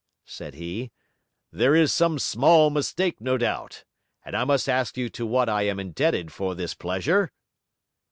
said he, 'there is some small mistake, no doubt, and I must ask you to what I am indebted for this pleasure?'